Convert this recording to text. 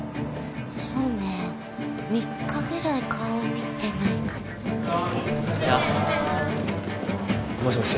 そうね三日ぐらい顔見てないかなもしもし？